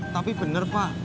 tapi bener pak